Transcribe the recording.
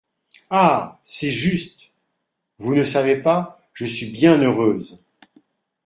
Ah ! c’est juste… vous ne savez pas… je suis bien heureuse !…